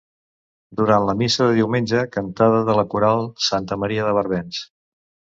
Durant la missa del diumenge, cantada de la Coral Santa Maria de Barbens.